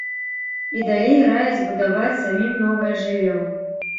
І далей раяць будаваць самім новае жыллё.